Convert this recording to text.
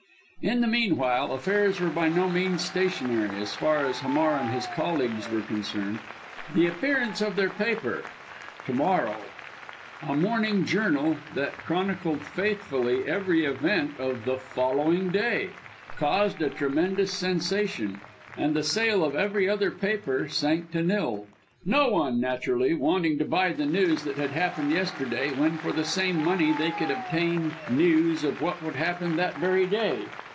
In the meanwhile, affairs were by no means stationary, as far as Hamar and his colleagues were concerned. The appearance of their paper To morrow, a morning journal, that chronicled faithfully every event of the following day, caused a tremendous sensation; and the sale of every other paper sank to nil no one, naturally, wanting to buy the news that had happened yesterday, when, for the same money, they could obtain news of what would happen that very day.